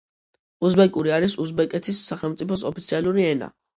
უზბეკური არის უზბეკეთის სახელმწიფოს ოფიციალური ენა.